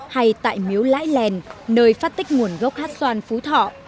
hay tại miếu lãi lèn nơi phát tích nguồn gốc hát xoan phú thọ